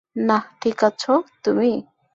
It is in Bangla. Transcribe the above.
না, ঠিক আছো তুমি।